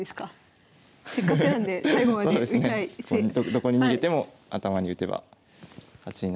どこに逃げても頭に打てば勝ちになります。